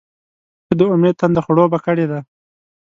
• ته د امید تنده خړوبه کړې ده.